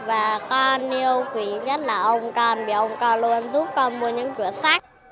và con yêu quý nhất là ông con vì ông con luôn giúp con mua những quyền sách